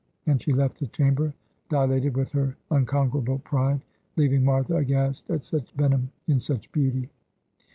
And she left the chamber, dilated with her unconquerable pride, leaving Martha aghast at such venom in such beauty.